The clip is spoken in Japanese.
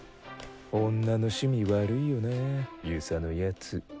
女の趣味悪いよなぁ遊佐の奴。